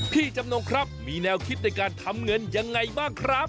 จำนงครับมีแนวคิดในการทำเงินยังไงบ้างครับ